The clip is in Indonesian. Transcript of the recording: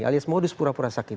alias modus pura pura sakit